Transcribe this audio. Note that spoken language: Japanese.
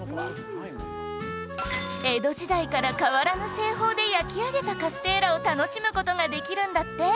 江戸時代から変わらぬ製法で焼き上げたカステーラを楽しむ事ができるんだって